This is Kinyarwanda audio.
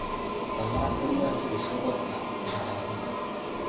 Oya ino ntibishoboka ndarahiye”